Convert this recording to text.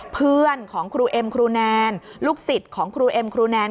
เพื่อนของครูเอ็มครูแนนลูกศิษย์ของครูเอ็มครูแนน